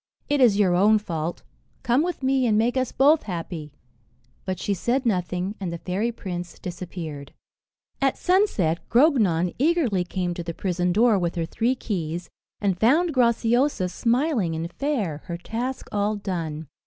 "It is your own fault. Come with me, and make us both happy." But she said nothing, and the fairy prince disappeared. At sunset, Grognon eagerly came to the prison door with her three keys, and found Graciosa smiling and fair, her task all done.